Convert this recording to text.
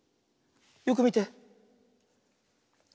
よくみて。